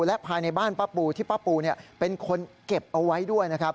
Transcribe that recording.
และภายในบ้านป้าปูที่ป้าปูเป็นคนเก็บเอาไว้ด้วยนะครับ